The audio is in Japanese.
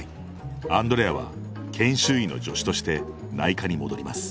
アンドレアは研修医の助手として内科に戻ります